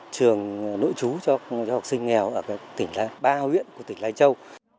trường nội trú cho học sinh nghèo ở tỉnh lái ba huyện của tỉnh lái châu